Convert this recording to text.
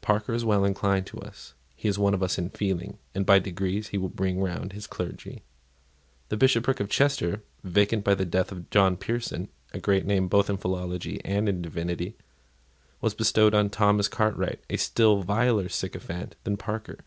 Parker is well inclined to us; he is one of us in feeling; and by degrees he will bring round his clergy." The Bishopric of Chester, vacant by the death of John Pearson, a great name both in philology and in divinity, was bestowed on Thomas Cartwright, a still viler sycophant than Parker.